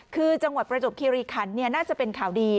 คือจังหวัดประจบคิริคันน่าจะเป็นข่าวดี